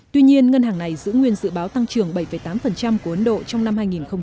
tuy nhiên ngân hàng này giữ nguyên dự báo tăng trưởng bảy tám của ấn độ trong năm hai nghìn hai mươi